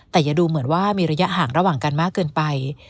แต่อย่าดูเหมือนว่ามีระยะห่างระหว่างกันมากเกินไป